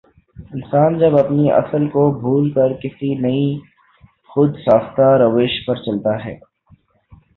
انسان جب اپنی اصل کو بھول کر کسی نئی خو د ساختہ روش پرچلتا ہے